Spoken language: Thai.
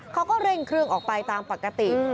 เขาก็เร่งเครื่องออกไปตามปกติ